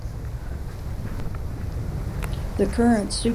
The current Superintendent of Sycamore School District is Kathy Countryman.